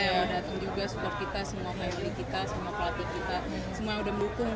ya datang juga support kita semua family kita semua pelatih kita semua udah mendukung